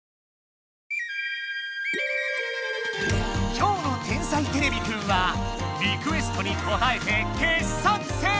今日の「天才てれびくん」はリクエストにこたえて傑作選！